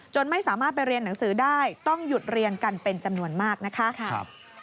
ไม่สามารถไปเรียนหนังสือได้ต้องหยุดเรียนกันเป็นจำนวนมากนะคะ